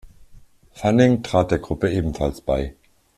Fanning trat der Gruppe ebenfalls bei.